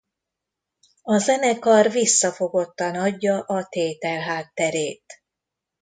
A zenekar visszafogottan adja a tétel hátterét.